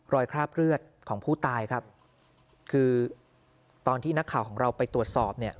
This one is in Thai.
คราบเลือดของผู้ตายครับคือตอนที่นักข่าวของเราไปตรวจสอบเนี่ย